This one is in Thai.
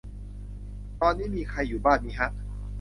ตอนนี้มีใครอยู่บ้านมิฮะ